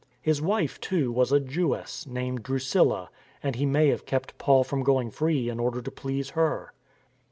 His wife, too, was a Jewess, named Drusilla, and he may have kept Paul from going free in order to please her.